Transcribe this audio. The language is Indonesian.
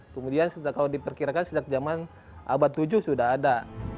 kemudian kalau diperkirakan sejak zaman abad tujuh sudah ada